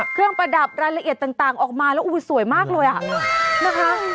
เครื่องประดับรายละเอียดต่างออกมาแล้วอุ้ยสวยมากเลยอะนะคะ